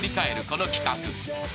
この企画］